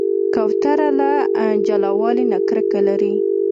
کوتره له جلاوالي نه کرکه لري.